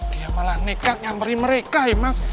dia malah nekat nyamperin mereka mas